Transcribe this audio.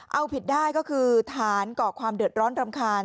เอาผิดได้ก็คือฐานก่อความเดือดร้อนรำคาญ